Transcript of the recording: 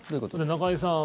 中居さん